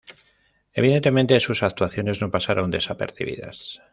Evidentemente, sus actuaciones no pasaron desapercibidas.